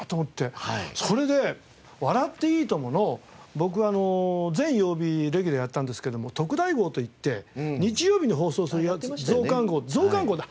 それで『笑っていいとも！』の僕は全曜日レギュラーやったんですけども特大号っていって日曜日に放送するやつ増刊号増刊号だ。